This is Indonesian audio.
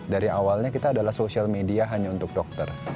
dari awalnya kita adalah social media hanya untuk dokter